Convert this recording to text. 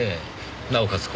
なおかつ